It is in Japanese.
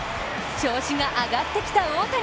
調子が上がってきた大谷！